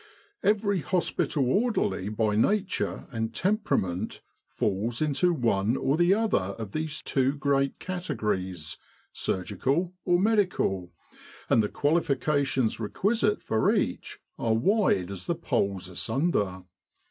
Every hospital orderly by nature and temperament falls into one or the other of these two great categories, surgical or medical, and the qualifications requisite for each are wide as the poles asunder.